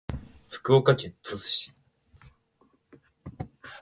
福岡県鳥栖市